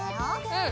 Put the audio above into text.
うん。